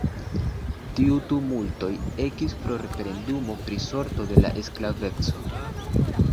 Tiu tumultoj ekis pro referendumo pri sorto de la sklaveco.